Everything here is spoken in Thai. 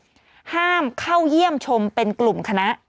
ห้ามเข้าเยี่ยมชมเป็นกลุ่มคณะ